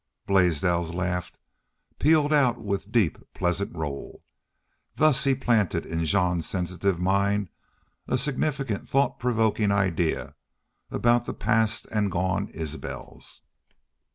Blaisdell's laugh pealed out with deep, pleasant roll. Thus he planted in Jean's sensitive mind a significant thought provoking idea about the past and gone Isbels.